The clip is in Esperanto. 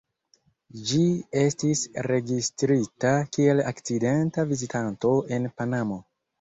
Ĝi estis registrita kiel akcidenta vizitanto en Panamo.